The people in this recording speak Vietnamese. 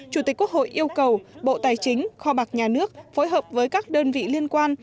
chủ tịch quốc hội yêu cầu bộ tài chính kho bạc nhà nước phối hợp với các đơn vị liên quan